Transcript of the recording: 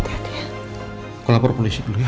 aku lapor polisi dulu ya